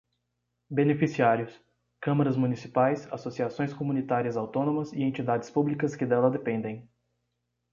Beneficiários: câmaras municipais, associações comunitárias autónomas e entidades públicas que dela dependem.